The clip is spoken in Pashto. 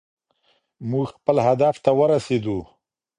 موږ خپل هدف ته ورسېدو.